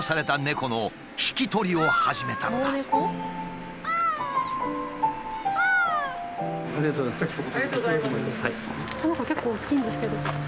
この子結構大きいんですけど。